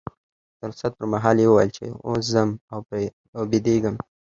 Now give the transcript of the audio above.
د رخصت پر مهال یې وویل چې اوس ځم او بیدېږم.